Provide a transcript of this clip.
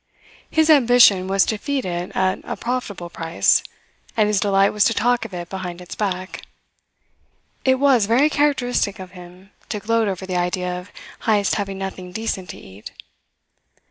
His ambition was to feed it at a profitable price, and his delight was to talk of it behind its back. It was very characteristic of him to gloat over the idea of Heyst having nothing decent to eat.